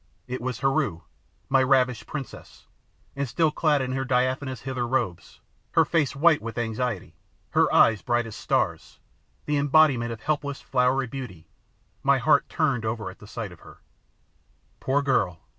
It was Heru, my ravished princess, and, still clad in her diaphanous Hither robes, her face white with anxiety, her eyes bright as stars, the embodiment of helpless, flowery beauty, my heart turned over at sight of her. Poor girl!